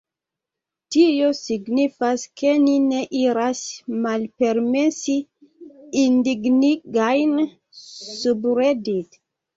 Tio signifas ke ni ne iras malpermesi indignigajn subredit.